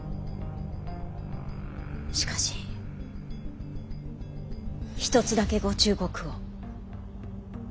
しかし一つだけご忠告を。